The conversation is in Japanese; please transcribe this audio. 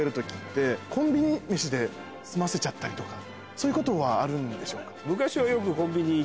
そういうことはあるんでしょうか？